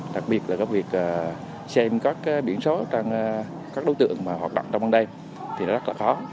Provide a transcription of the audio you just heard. đặc biệt là việc xem các biển số các đối tượng hoạt động trong ban đêm thì rất là khó